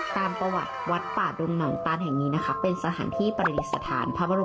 ตามคำบอกเล่าสารที่แห่งนี้เป็นเมืองรับแลร์